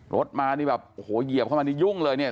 รถมานี่แบบโอ้โหเหยียบเข้ามานี่ยุ่งเลยเนี่ย